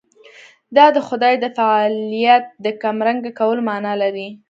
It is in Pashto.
دا د خدای د فاعلیت د کمرنګه کولو معنا لري.